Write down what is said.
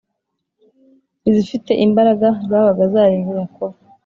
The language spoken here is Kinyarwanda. izifite imbaraga zabaga zarinze Yakobo